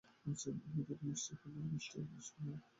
আপনাদেরকেও, mister Fenner এবং mister ফেনার।